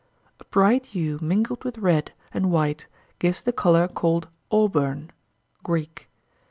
A bright hue mingled with red and white gives the colour called auburn (Greek).